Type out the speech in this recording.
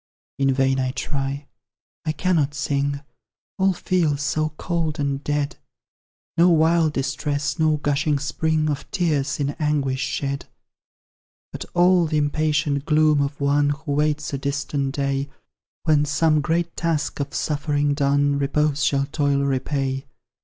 In vain I try; I cannot sing; All feels so cold and dead; No wild distress, no gushing spring Of tears in anguish shed; But all the impatient gloom of one Who waits a distant day, When, some great task of suffering done, Repose shall toil repay.